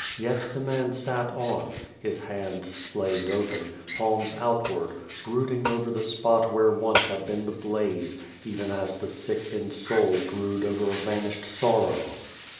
Yet the man sat on, his hands splayed open, palms outward, brooding over the spot where once had been the blaze, even as the sick in soul brood over a vanished sorrow.